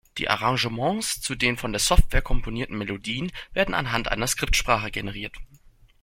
Die Arrangements zu den von der Software komponierten Melodien werden anhand einer Skriptsprache generiert.